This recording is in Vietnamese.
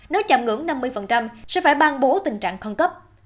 nếu chạm ngưỡng năm mươi sẽ phải ban bố tình trạng khẩn cấp